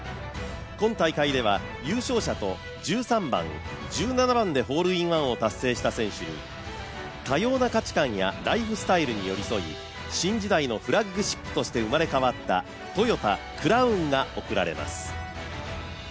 今大会では優勝者と１３番、１７番でホールインワンを達成した選手に多様な価値観やライフスタイルに寄り添い新時代のフラッグシップとして生まれ変わったトヨタ・クラウンが贈られます。